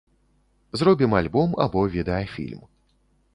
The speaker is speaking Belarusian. Зробім альбом або відэафільм.